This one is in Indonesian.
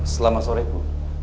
selamat sore bu